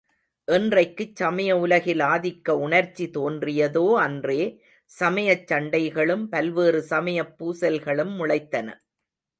என்றைக்குச் சமய உலகில் ஆதிக்க உணர்ச்சி தோன்றியதோ அன்றே, சமயச் சண்டைகளும், பல்வேறு சமயப் பூசல்களும் முளைத்தன.